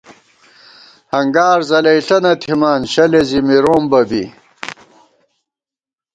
ہنگار ځلَئیݪہ نہ تھِمان، شلے زِی مِروم بہ بی